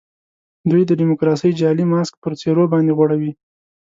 دوی د ډیموکراسۍ جعلي ماسک پر څېرو باندي غوړوي.